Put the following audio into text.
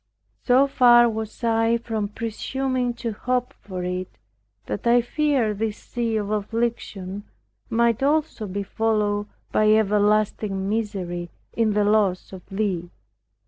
So far was I from presuming to hope for it, that I feared this sea of affliction might also be followed by everlasting misery, in the loss of Thee.